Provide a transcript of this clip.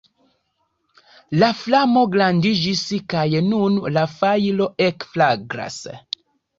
La flamo grandiĝis kaj nun la fajro ekflagras.